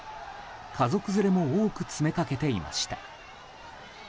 家族連れも多く詰めかけていました。